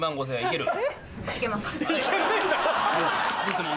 いける？